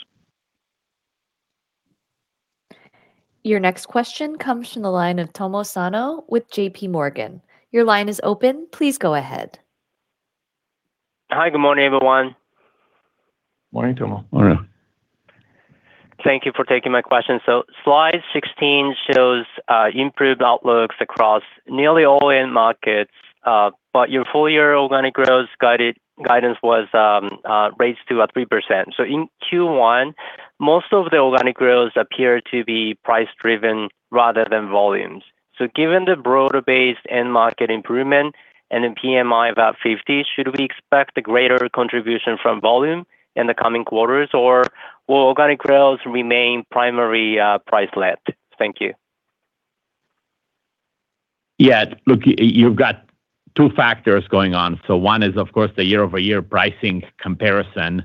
Your next question comes from the line of Tami Zakaria with JPMorgan. Your line is open. Please go ahead. Hi, good morning, everyone. Morning, Tami. Morning. Thank you for taking my question. Slide 16 shows improved outlooks across nearly all end markets, but your full year organic growth guidance was raised to 3%. In Q1, most of the organic growth appear to be price driven rather than volumes. Given the broader base end market improvement and in PMI about 50, should we expect a greater contribution from volume in the coming quarters, or will organic growth remain primary price led? Thank you. Yeah, look, you've got two factors going on. One is, of course, the year-over-year pricing comparison.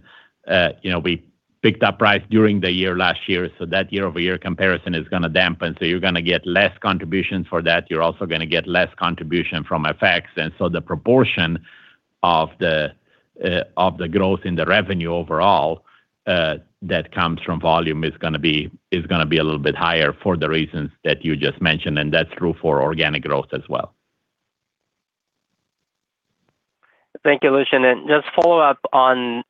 You know, we picked up price during the year last year, so that year-over-year comparison is gonna dampen. You're gonna get less contribution for that. You're also gonna get less contribution from FX. The proportion of the growth in the revenue overall that comes from volume is gonna be, is gonna be a little bit higher for the reasons that you just mentioned, and that's true for organic growth as well. Thank you, Lucian. Just follow up on,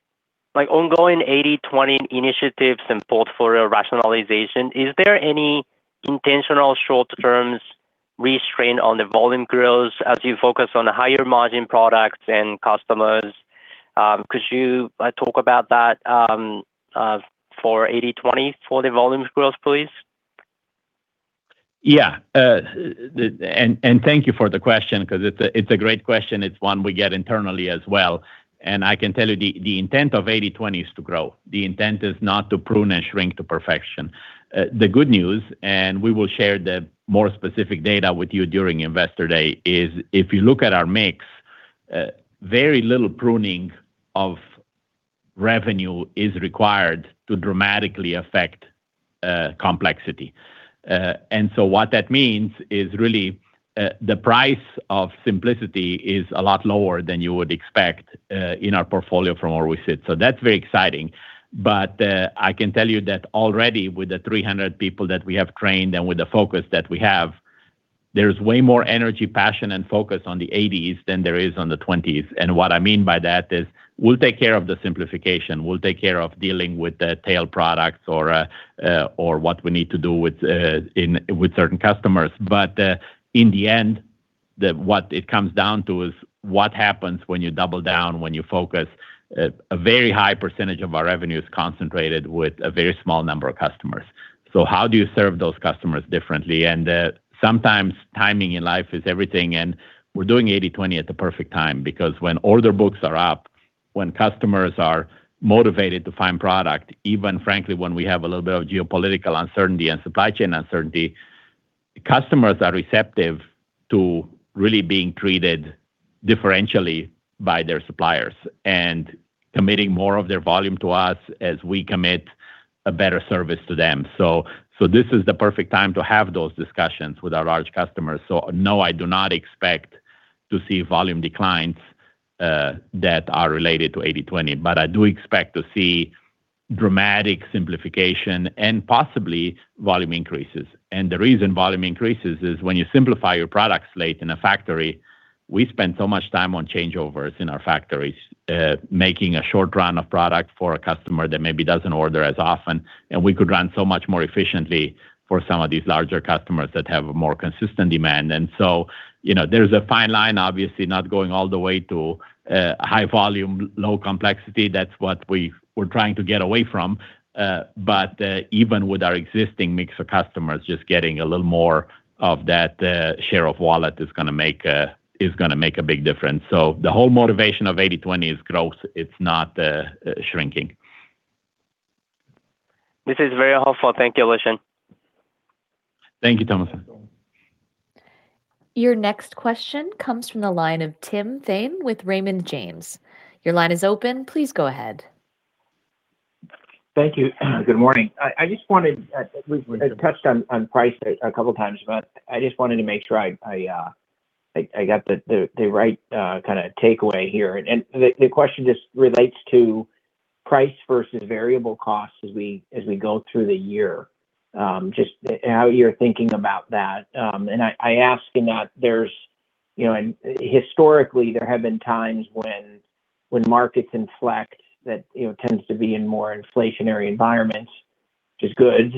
like, ongoing 80/20 initiatives and portfolio rationalization, is there any intentional short-term restraint on the volume growth as you focus on higher margin products and customers? Could you talk about that for 80/20 for the volumes growth, please? Yeah. Thank you for the question, 'cause it's a, it's a great question. It's one we get internally as well. I can tell you, the intent of 80/20 is to grow. The intent is not to prune and shrink to perfection. The good news, we will share the more specific data with you during Investor Day, is if you look at our mix, very little pruning of revenue is required to dramatically affect complexity. What that means is really, the price of simplicity is a lot lower than you would expect in our portfolio from where we sit. That's very exciting. I can tell you that already with the 300 people that we have trained and with the focus that we have, there's way more energy, passion, and focus on the 80s than there is on the 20s. What I mean by that is we'll take care of the simplification. We'll take care of dealing with the tail products or what we need to do with in with certain customers. In the end, what it comes down to is what happens when you double down, when you focus. A very high percentage of our revenue is concentrated with a very small number of customers. How do you serve those customers differently? Sometimes timing in life is everything, and we're doing 80/20 at the perfect time because when order books are up, when customers are motivated to find product, even frankly when we have a little bit of geopolitical uncertainty and supply chain uncertainty, customers are receptive to really being treated differentially by their suppliers and committing more of their volume to us as we commit a better service to them. This is the perfect time to have those discussions with our large customers. No, I do not expect to see volume declines that are related to 80/20, but I do expect to see dramatic simplification and possibly volume increases. The reason volume increases is when you simplify your product slate in a factory, we spend so much time on changeovers in our factories, making a short run of product for a customer that maybe doesn't order as often, and we could run so much more efficiently for some of these larger customers that have a more consistent demand. You know, there's a fine line, obviously, not going all the way to high volume, low complexity. That's what we're trying to get away from. But even with our existing mix of customers, just getting a little more of that share of wallet is gonna make a big difference. The whole motivation of 80/20 is growth. It's not shrinking. This is very helpful. Thank you, Lucian. Thank you, Tami. Your next question comes from the line of Tim Thein with Raymond James. Your line is open. Please go ahead. Thank you. Good morning. I just wanted, we've touched on price a couple of times, but I just wanted to make sure I got the right kind of takeaway here. The question just relates to price versus variable costs as we go through the year, just how you're thinking about that. I ask in that there's, you know, historically there have been times when markets inflect that, you know, tends to be in more inflationary environments, which is good,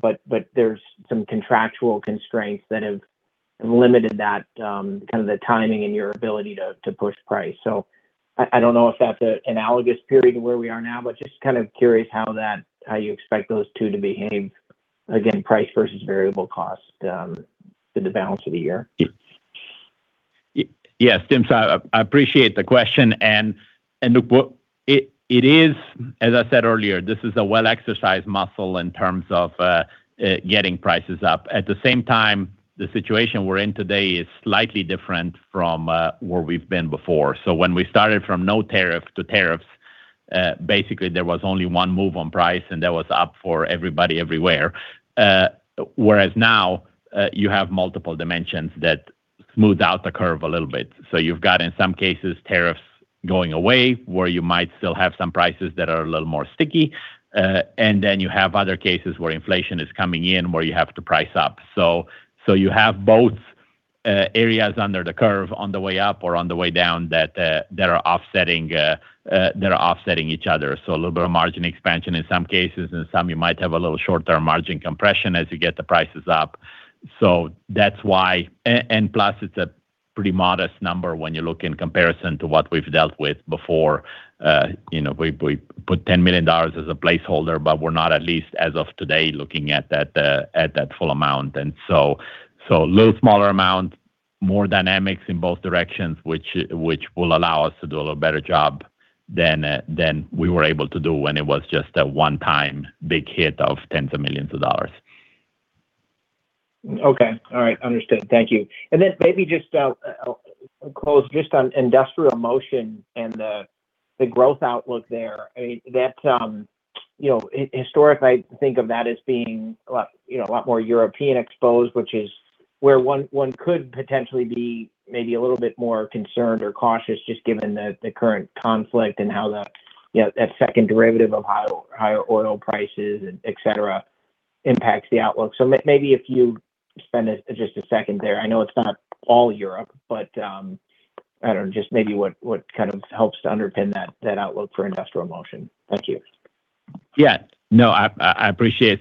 but there's some contractual constraints that have limited that kind of the timing and your ability to push price. I don't know if that's an analogous period to where we are now, but just kind of curious how that, how you expect those two to behave, again, price versus variable cost for the balance of the year. Yes, Tim, I appreciate the question. Look, what it is, as I said earlier, this is a well-exercised muscle in terms of getting prices up. At the same time, the situation we're in today is slightly different from where we've been before. When we started from no tariff to tariffs, basically there was only one move on price, and that was up for everybody everywhere. Whereas now, you have multiple dimensions that smooth out the curve a little bit. You've got in some cases, tariffs going away, where you might still have some prices that are a little more sticky. Then you have other cases where inflation is coming in, where you have to price up. You have both areas under the curve on the way up or on the way down that are offsetting each other. A little bit of margin expansion in some cases, and some you might have a little short-term margin compression as you get the prices up. That's why. Plus it's a pretty modest number when you look in comparison to what we've dealt with before. You know, we put $10 million as a placeholder, but we're not at least as of today, looking at that full amount. A little smaller amount, more dynamics in both directions, which will allow us to do a little better job than we were able to do when it was just a one-time big hit of tens of millions of dollars. Okay. All right. Understood. Thank you. Then maybe just close on Industrial Motion and the growth outlook there. I mean, that, you know, historic, I think of that as being a lot, you know, a lot more European exposed, which is where one could potentially be maybe a little bit more concerned or cautious just given the current conflict and how the, you know, that second derivative of higher oil prices, et cetera, impacts the outlook. Maybe if you spend just a second there. I know it's not all Europe, but, I don't know, just maybe what kind of helps to underpin that outlook for Industrial Motion. Thank you. Yeah. No, I appreciate.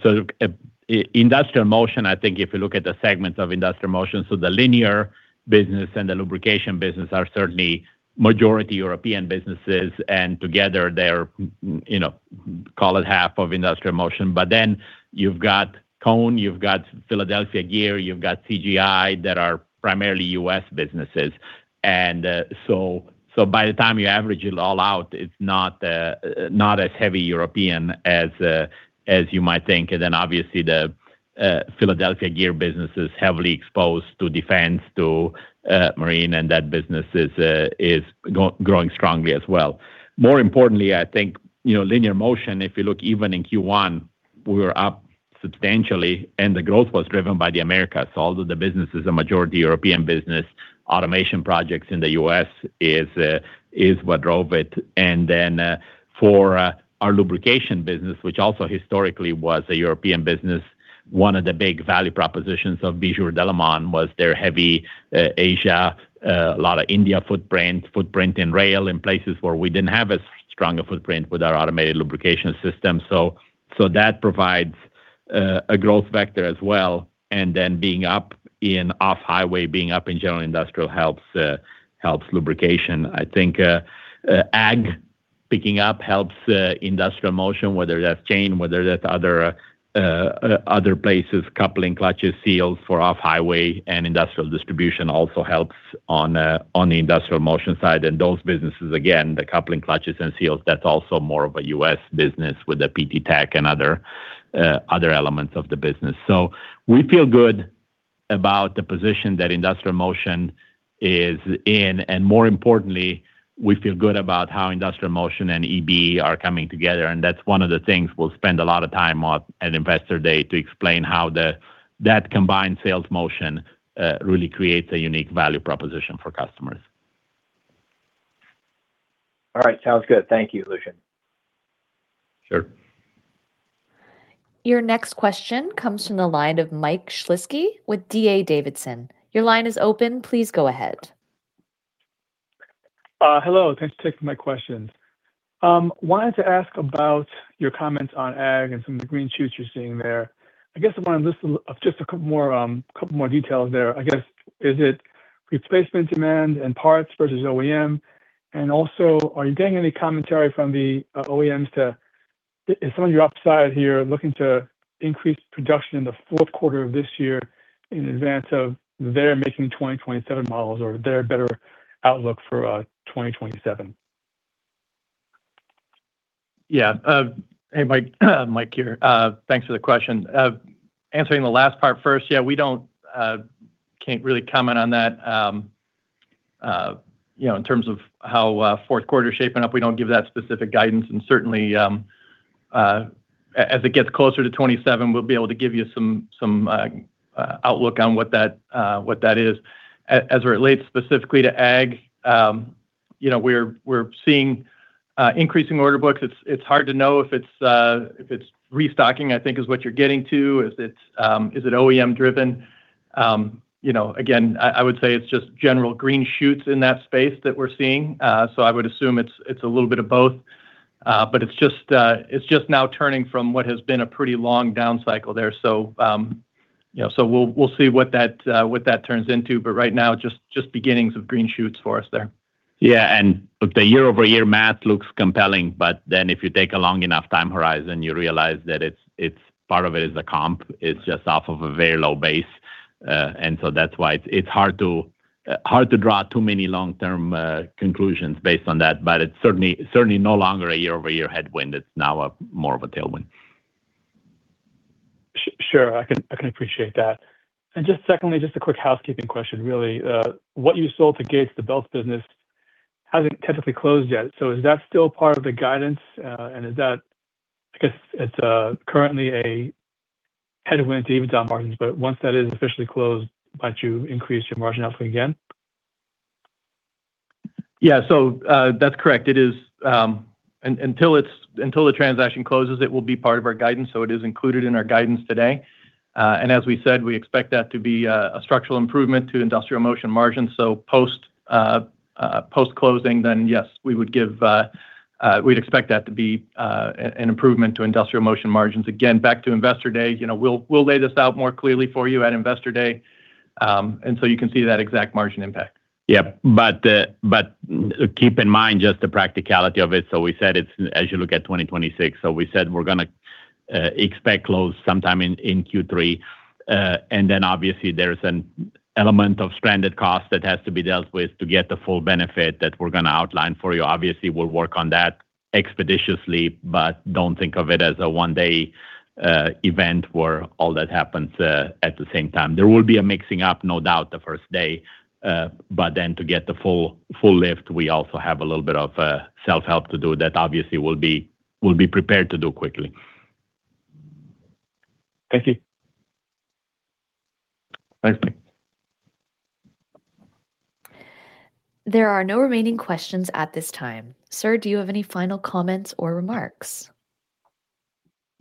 Industrial Motion, I think if you look at the segments of Industrial Motion, the linear business and the lubrication business are certainly majority European businesses, and together they're, you know, call it half of Industrial Motion. You've got Cone, you've got Philadelphia Gear, you've got CGI that are primarily U.S. businesses. By the time you average it all out, it's not as heavy European as you might think. Obviously the Philadelphia Gear business is heavily exposed to defense, to marine, and that business is growing strongly as well. More importantly, I think, you know, Linear Motion, if you look even in Q1, we were up substantially and the growth was driven by the Americas. Although the business is a majority European business, automation projects in the U.S. is what drove it. For our lubrication business, which also historically was a European business, one of the big value propositions of Bijur Delimon was their heavy Asia, lot of India footprint in rail, in places where we didn't have as strong a footprint with our automated lubrication systems. That provides a growth factor as well. Being up in off-highway, being up in general industrial helps helps lubrication. I think ag picking up helps Industrial Motion, whether that's chain, whether that's other other places, coupling clutches, seals for off-highway and industrial distribution also helps on the Industrial Motion side. Those businesses, again, the coupling clutches and seals, that's also more of a U.S. business with the PT Tech and other elements of the business. We feel good about the position that Industrial Motion is in, and more importantly, we feel good about how Industrial Motion and EB are coming together, and that's one of the things we'll spend a lot of time on at Investor Day to explain how that combined sales motion really creates a unique value proposition for customers. All right. Sounds good. Thank you, Lucian. Sure. Your next question comes from the line of Michael Shlisky with D.A. Davidson. Your line is open. Please go ahead. Hello. Thanks for taking my question. Wanted to ask about your comments on ag and some of the green shoots you're seeing there. I guess I want just a couple more details there. I guess, is it replacement demand and parts versus OEM? Also, are you getting any commentary from the OEMs as to some of your upside here looking to increase production in the fourth quarter of this year in advance of their making 2027 models or their better outlook for 2027? Yeah. Hey, Mike. Mike here. Thanks for the question. Answering the last part first, yeah, we don't, can't really comment on that, you know, in terms of how fourth quarter's shaping up. We don't give that specific guidance. Certainly, as it gets closer to 2027, we'll be able to give you some outlook on what that, what that is. As it relates specifically to ag, you know, we're seeing increasing order books. It's, it's hard to know if it's, if it's restocking, I think is what you're getting to. Is it, is it OEM driven? You know, again, I would say it's just general green shoots in that space that we're seeing. I would assume it's a little bit of both. It's just now turning from what has been a pretty long down cycle there. You know, we'll see what that turns into. Right now, just beginnings of green shoots for us there. Yeah. Look, the year-over-year math looks compelling, if you take a long enough time horizon, you realize that it's part of it is the comp. It's just off of a very low base. That's why it's hard to draw too many long-term conclusions based on that. It's certainly no longer a year-over-year headwind. It's now a more of a tailwind. Sure. I can, I can appreciate that. Just secondly, just a quick housekeeping question, really. What you sold to Gates, the Belts business, hasn't technically closed yet. Is that still part of the guidance? And is that I guess it's currently a headwind to EBITDA margins, but once that is officially closed, might you increase your margin output again? That's correct. It is until the transaction closes, it will be part of our guidance, so it is included in our guidance today. As we said, we expect that to be a structural improvement to Industrial Motion margins. Post-closing, yes, we would expect that to be an improvement to Industrial Motion margins. Again, back to Investor Day, you know, we'll lay this out more clearly for you at Investor Day. You can see that exact margin impact. Yeah. Keep in mind just the practicality of it. We said it's, as you look at 2026, we said we're gonna expect close sometime in Q3. Obviously, there's an element of stranded cost that has to be dealt with to get the full benefit that we're gonna outline for you. Obviously, we'll work on that expeditiously, but don't think of it as a one-day event where all that happens at the same time. There will be a mixing up, no doubt, the first day. To get the full lift, we also have a little bit of self-help to do. That obviously we'll be prepared to do quickly. Thank you. Thanks, Mike. There are no remaining questions at this time. Sir, do you have any final comments or remarks?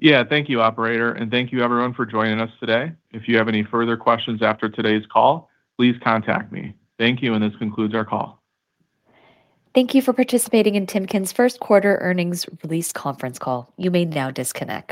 Yeah. Thank you, operator, and thank you everyone for joining us today. If you have any further questions after today's call, please contact me. Thank you, and this concludes our call. Thank you for participating in Timken's first quarter earnings release conference call. You may now disconnect.